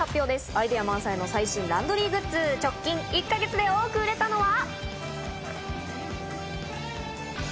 アイデア満載の最新ランドリーグッズ、直近１か月で多く売れたのは？